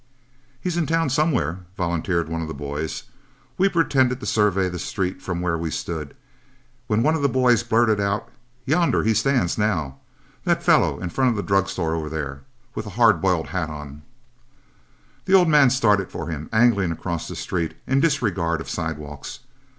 "'He's in town somewhere,' volunteered one of the boys. We pretended to survey the street from where we stood, when one of the boys blurted out, 'Yonder he stands now. That fellow in front of the drug store over there, with the hard boiled hat on.' "The old man started for him, angling across the street, in disregard of sidewalks.